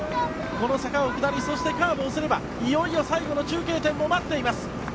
この坂を下り、カーブをすればいよいよ最後の中継点も待っています。